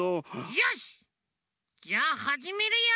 よしじゃあはじめるよ！